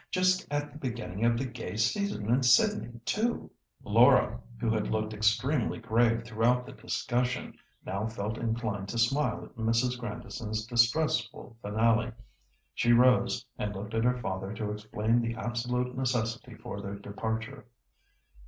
Just at the beginning of the gay season in Sydney, too!" Laura, who had looked extremely grave throughout the discussion, now felt inclined to smile at Mrs. Grandison's distressful finale. She rose, and looked at her father to explain the absolute necessity for their departure.